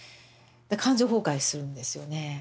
感情崩壊するんですよね。